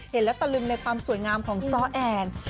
เห็นแล้วตะลึงในความสวยงามของซ้อแอน